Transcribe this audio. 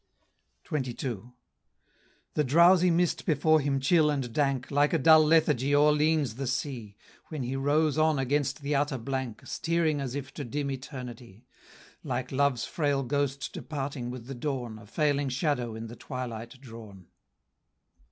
XXII. The drowsy mist before him chill and dank, Like a dull lethargy o'erleans the sea, When he rows on against the utter blank, Steering as if to dim eternity, Like Love's frail ghost departing with the dawn; A failing shadow in the twilight drawn.